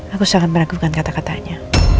aku sangat meragukan kata katanya